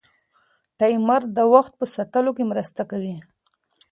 ټایمر د وخت په ساتلو کې مرسته کوي.